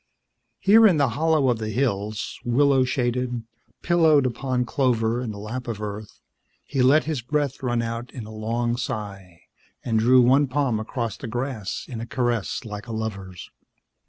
Here in the hollow of the hills, willow shaded, pillowed upon clover and the lap of Earth, he let his breath run out in a long sigh and drew one palm across the grass in a caress like a lover's.